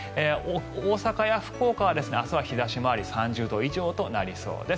大阪や福岡は明日は日差しもあり３０度以上となりそうです。